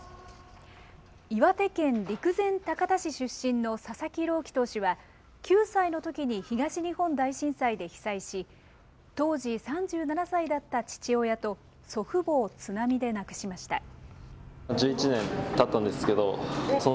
岩手県陸前高田市出身の佐々木朗希投手は、９歳のときに東日本大震災で被災し、当時３７歳だった父親と祖父母を津波で亡くしました。